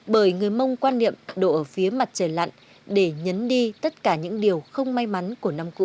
bởi người mông quan niệm đổ ở phía mặt trời lặn để nhấn đi tất cả những điều không may mắn của năm cũ